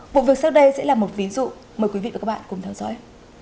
vụ việc sau đây sẽ là một ví dụ mời quý vị và các bạn cùng theo dõi